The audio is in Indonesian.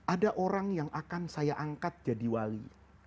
ada orang yang akan saya angkat jadi wali